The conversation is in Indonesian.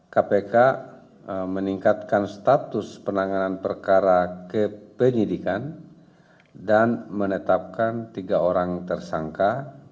kpk meningkatkan status penanganan perkara kepenyidikan dan menetapkan tiga orang tersangka